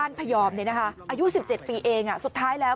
กลุ่มหนึ่งก็คือ